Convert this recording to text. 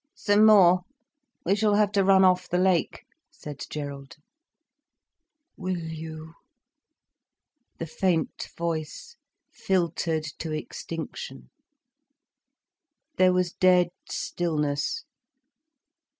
"Some more—we shall have to run off the lake," said Gerald. "Will you?" The faint voice filtered to extinction. There was dead stillness.